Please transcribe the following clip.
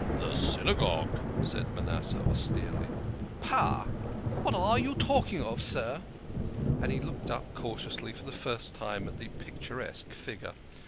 " The Synagogue !" said Manasseh austerely. "Pah! What are you talking of, sir?" and he looked up cautiously for the first time at the picturesque figure.